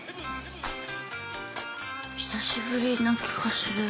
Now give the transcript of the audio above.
久しぶりな気がする。